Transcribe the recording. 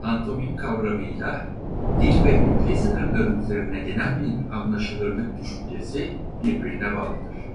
Pantomim kavramıyla dil ve ülke sınırları üzerine genel bir anlaşılırlık düşüncesi birbirine bağlıdır.